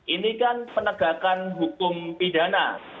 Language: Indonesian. ini kan penegakan hukum pidana